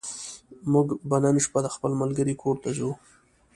موږ به نن شپه د خپل ملګرې کور ته ځو